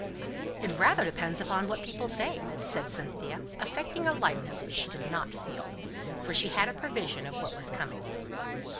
"It rather depends upon what people say," said Cynthia, affecting a lightness which she did not feel; for she had a prevision of what was coming.